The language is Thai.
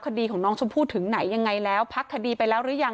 คดีของน้องชมพู่ถึงไหนยังไงแล้วพักคดีไปแล้วหรือยัง